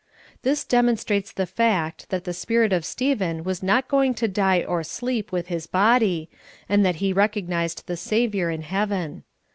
This demonstrates the fact that the spirit of Stephen was not going to die or sleep with his body, and that he recognized the Savior in heaven.